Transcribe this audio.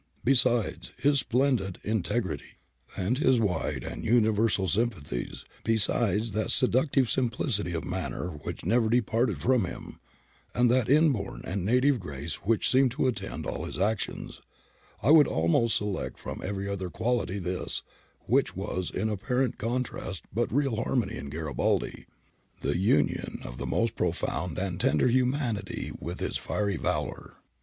Besides his splendid in tegrity, and his wide and universal sympathies, besides that seductive simplicity of manner which never de parted from him, and that inborn and native grace which seemed to attend all his actions, I would almost select from every other quality this, which was in apparent con trast but real harmony in Garibaldi— the union of the most profound and tender humanity with his fiery valour.'